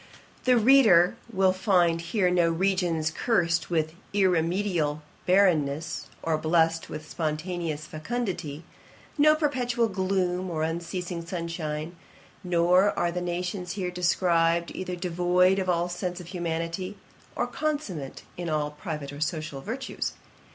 'The reader will here find no regions cursed with irremediable barrenness, or blessed with spontaneous fecundity; no perpetual gloom, or unceasing sunshine; nor are the nations here described either devoid of all sense of humanity, or consummate in all private or social virtues.